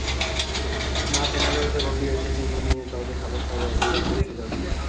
না-চেনা জগতে বন্দী হয়েছি, চিনে নিয়ে তবে খালাস পাব, একেই বলে মুক্তিতত্ত্ব।